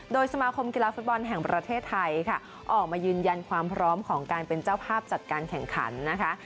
โดยสมาคมกีฬาฟุตบอลแห่งประเทศไทยค่ะออกมายืนยันความพร้อมของการเป็นเจ้าภาพจัดการแข่งขันนะคะ